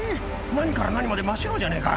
何から何まで真っ白じゃねえか。